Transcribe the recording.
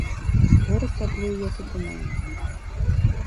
Горад паплыў як у тумане.